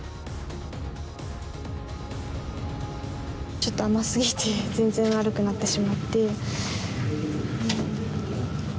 ちょっと甘すぎて全然悪くなってしまって。